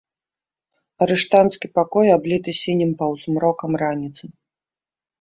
Арыштанцкі пакой абліты сінім паўзмрокам раніцы.